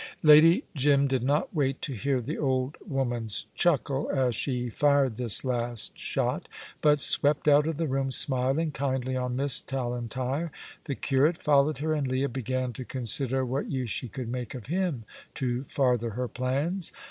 Lady Jim did not wait to hear the old woman's chuckle as she fired this last shot, but swept out of the room, smiling kindly on Miss Tallentire. The curate followed her, and Leah began to consider what use she could make of him to farther her plans.